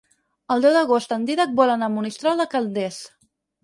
El deu d'agost en Dídac vol anar a Monistrol de Calders.